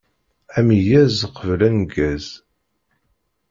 Ameyyez qbel aneggez.